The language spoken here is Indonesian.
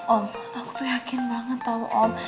om aku tuh yakin banget tau om